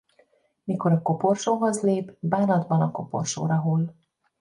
Mikor a koporsóhoz lép bánatban a koporsóra hull.